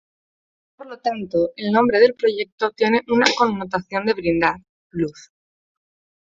Por lo tanto el nombre del proyecto tiene una connotación de brindar "luz".